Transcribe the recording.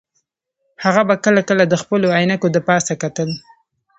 هغه به کله کله د خپلو عینکې د پاسه کتل